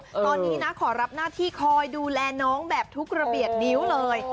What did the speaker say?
ตอนนี้นะขอรับหน้าที่คอยดูแลน้องแบบทุกระเบียบนิ้วเลย